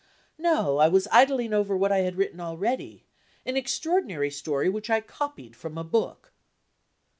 "No; I was idling over what I have written already an extraordinary story which I copied from a book."